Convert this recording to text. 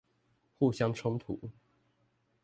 互相衝突